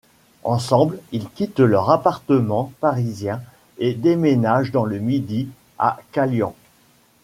Ensemble ils quittent leur appartement parisien et déménagent dans le Midi, à Callian.